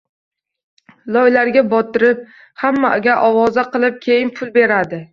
Loylarga botirib, hammaga ovoza qilib, keyin pul beradi.